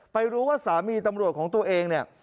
รู้ว่าสามีตำรวจของตัวเองเนี่ย